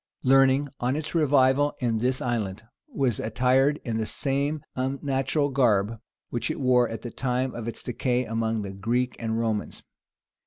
Learning, on its revival in this island, was attired in the same unnatural garb which it wore at the time of its decay among the Greeks and Romans.